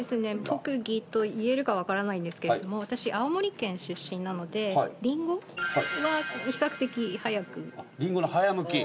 特技と言えるかわからないんですけれども私青森県出身なのでりんごは比較的早くりんごの早剥き？